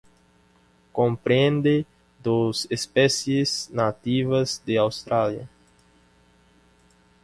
Comprende dos especies nativas de Australia.